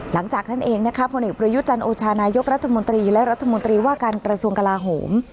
หลังจากนั้นเองนะคะผลเอกประยุจันทร์โอชานายกรัฐมนตรีและรัฐมนตรีว่าการกระทรวงกลาโหม